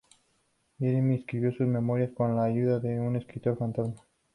Jeremy escribió sus memorias con la ayuda de un escritor fantasma.